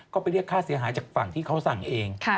ก็ไปเรียกค่าเสียหายจากฝั่งที่เขาสั่งเอง